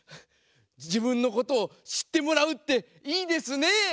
じぶんのことをしってもらうっていいですね！